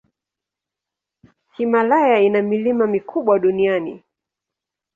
Himalaya ina milima mikubwa duniani.